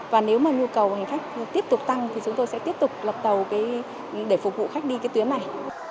và nếu mà nhu cầu hành khách tiếp tục tăng thì chúng tôi sẽ tiếp tục lập tàu để phục vụ khách đi cái tuyến này